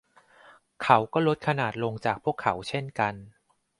เขาก็ลดขนาดลงจากพวกเขาเช่นกัน